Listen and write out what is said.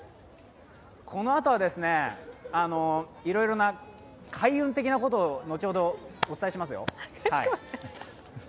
このあとは、いろいろな開運的なことを後ほどお伝えしますよ。